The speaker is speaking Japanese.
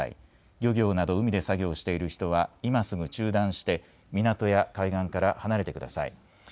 漁業など海で作業している人は今すぐ中断して港や海岸から離れてください。